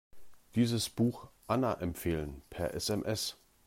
Dieses Buch Anna empfehlen, per SMS.